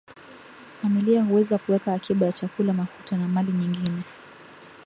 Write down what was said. Familia huweza kuweka akiba ya chakula mafuta na mali nyingine